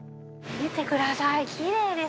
見てください。